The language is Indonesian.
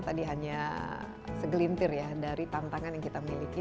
tadi hanya segelintir ya dari tantangan yang kita miliki